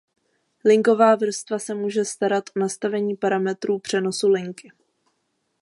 Linková vrstva se může starat o nastavení parametrů přenosu linky.